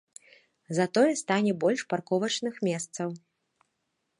Затое стане больш парковачных месцаў.